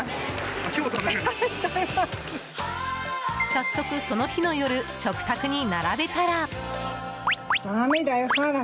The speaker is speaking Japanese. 早速、その日の夜食卓に並べたら。